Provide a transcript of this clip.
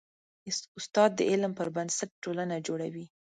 استاد د علم پر بنسټ ټولنه جوړوي.